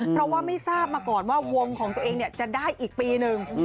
เพราะว่าไม่ทราบมาก่อนว่าวงของตัวเองจะได้อีกปีหนึ่ง